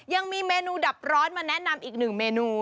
ยังมีเมนูดับร้อนมาแนะนำอีกหนึ่งเมนู